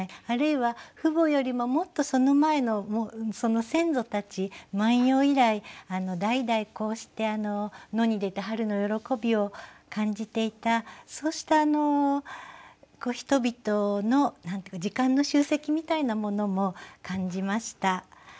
あるいは父母よりももっとその前のその先祖たち「万葉」以来代々こうして野に出て春の喜びを感じていたそうしたあの人々の何と言うか時間の集積みたいなものも感じました。